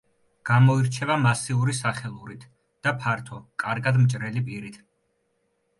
გამოირჩევა მასიური სახელურით და ფართო, კარგად მჭრელი პირით.